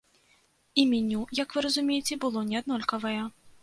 І меню, як вы разумееце, было не аднолькавае.